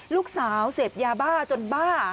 ลูกสาวเสพยาบ้าจนบ้า